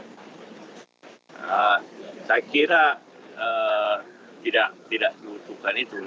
saya kira tidak dibutuhkan itu